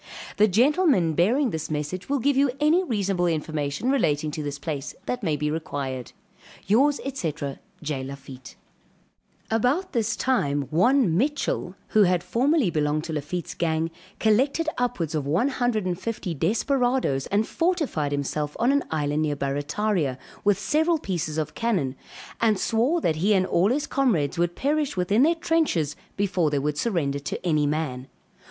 The gentlemen bearing this message will give you any reasonable information relating to this place, that may be required. Yours, &c. J. LAFITTE. About this time one Mitchell, who had formerly belonged to Lafitte's gang, collected upwards of one hundred and fifty desperadoes and fortified himself on an island near Barrataria, with several pieces of cannon; and swore that he and all his comrades would perish within their trenches before they would surrender to any man.